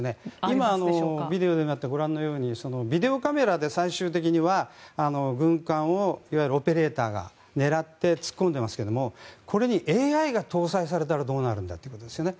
今、ビデオでご覧になったようにビデオカメラで最終的には軍艦をいわゆるオペレーターが狙って突っ込んでいますがこれにＡＩが搭載されたらどうなるんだということですね。